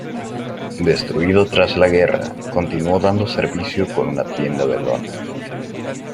Destruido tras la guerra, continuó dando servicio con una tienda de lona.